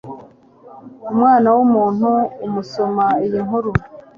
umwana w'umuntu umusoma iyi nkuru